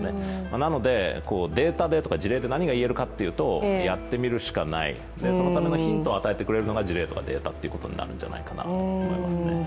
なのでデータや事例で何が言えるかというと、やってみるしかない、そのためのヒントを与えてくれるのが事例とかになるんじゃないかと。